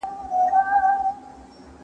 د بدو ملګرو اغیز انسان ګمراه کوي.